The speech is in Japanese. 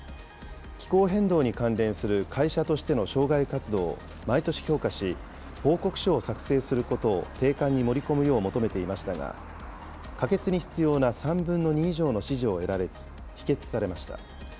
気候変動に関連する会社としての渉外活動を毎年評価し、報告書を作成することを定款に盛り込むよう求めていましたが、可決に必要な３分の２以上の支持を得られず、否決されました。